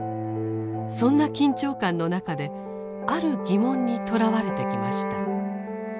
そんな緊張感の中である疑問にとらわれてきました。